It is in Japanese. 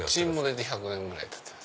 １００年ぐらいたってます。